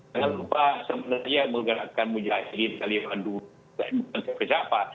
jangan lupa sebenarnya yang menggerakkan mujahidin taliban itu bukan dari jaffa